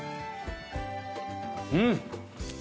うん！